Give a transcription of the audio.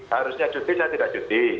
harusnya cuti saya tidak cuti